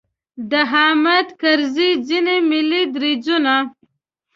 د حامد کرزي ځینې ملي دریځونو.